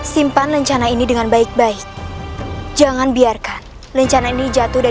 simpan lencana ini dengan baik baik jangan biarkan rencana ini jatuh dan